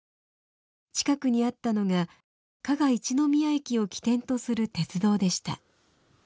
近くにあったのが加賀一の宮駅を起点とする鉄道でした。